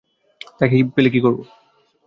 তাকে পেলে কি করবো?